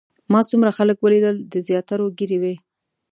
ما څومره خلک ولیدل د زیاترو ږیرې وې.